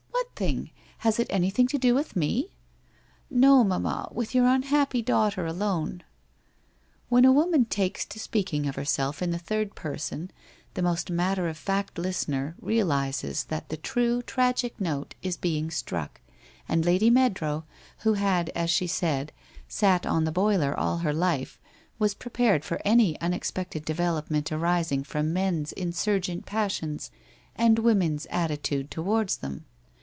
What tiling? Has it anything to do with me?' 1 Xo, mamma, with your unhappy daughter alone.' When a woman takes to speaking of herself in the third person, the most matter of fact listener realizes that the true tragic note is being struck, and Lady Meadrow, who had, as she Bald, sat on the boiler all her life, was prepared for any unexpected development arising from men's in surgent passions and woman's attitude towards them.